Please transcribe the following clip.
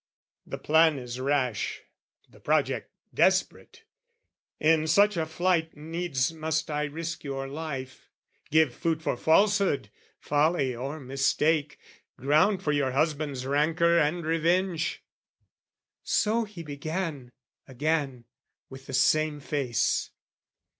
"The plan is rash; the project desperate: "In such a flight needs must I risk your life, "Give food for falsehood, folly or mistake, "Ground for your husband's rancour and revenge" So he began again, with the same face.